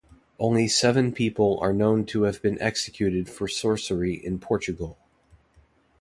Only seven people are known to have been executed for sorcery in Portugal.